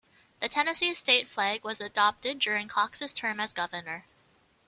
The Tennessee state flag was adopted during Cox's term as governor.